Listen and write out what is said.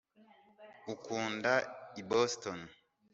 ukunda i boston